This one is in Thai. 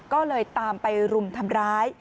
ก็เลยตามไปรุมทำร้าย